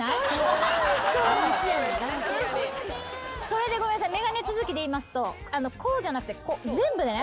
それでごめんなさい眼鏡続きで言いますとこうじゃなくて全部でね。